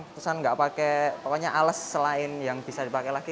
terus nggak pakai ales selain yang bisa dipakai lagi